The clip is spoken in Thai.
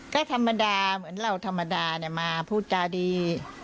ก็ธรรมดาเหมือนเราธรรมดามาพูดจาดี